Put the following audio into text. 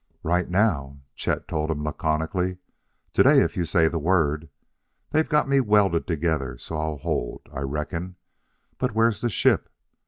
"Right now," Chet told him laconically; "today, if you say the word. They've got me welded together so I'll hold, I reckon. But where's the ship?